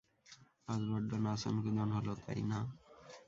আজ বড্ড নাচন-কুদন হলো, তাই না?